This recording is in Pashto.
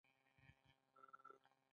دوی د اثر په چمتو کولو کې مرسته وکړه.